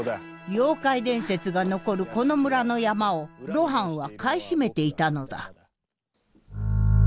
妖怪伝説が残るこの村の山を露伴は買い占めていたのだ。